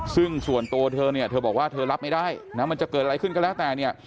ซึ่งส่วนตัวเธอเนี่ยเธอบอกว่าเธอรับไม่ได้นะมันจะเกิดอะไรขึ้นก็แล้วแต่เนี่ย